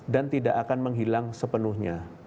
dan tidak akan menghilang sepenuhnya